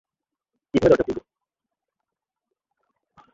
কিভাবে দরজা খুলব?